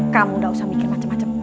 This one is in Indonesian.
kamu gak usah mikir macam macam